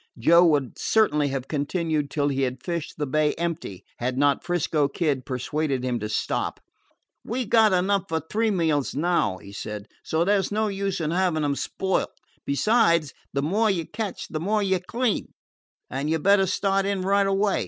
Joe would certainly have continued till he had fished the bay empty, had not 'Frisco Kid persuaded him to stop. "We 've got enough for three meals now," he said, "so there 's no use in having them spoil. Besides, the more you catch the more you clean, and you 'd better start in right away.